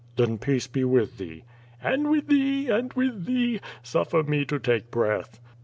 "Then peace be with thee." "And with thee, and with thee! Suffer me to take breath."